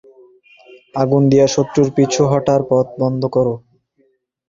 আগুন দিয়ে শত্রুর পিছু হটার পথ বন্ধ কর।